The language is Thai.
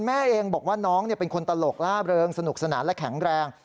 แม่เองบอกว่าน้องเป็นคนตลกล่าเริงสนุกสนานและแข็งแรง